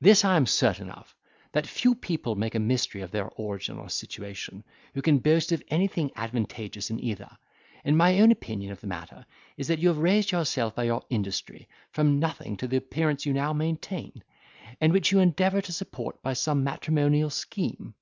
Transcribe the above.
This I am certain of, that few people make a mystery of their origin or situation, who can boast of anything advantageous in either; and my own opinion of the matter is that you have raised yourself, by your industry, from nothing to the appearance you now maintain, and which you endeavour to support by some matrimonial scheme."